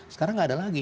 sekarang nggak ada lagi